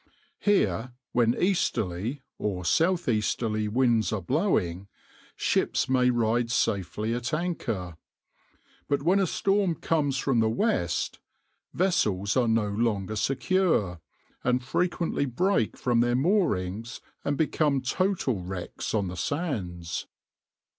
Here, when easterly or south easterly winds are blowing, ships may ride safely at anchor; but when a storm comes from the west, vessels are no longer secure, and frequently break from their moorings and become total wrecks on the sands.